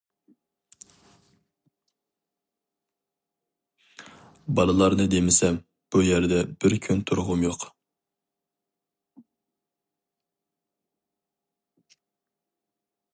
بالىلارنى دېمىسەم بۇ يەردە بىر كۈن تۇرغۇم يوق.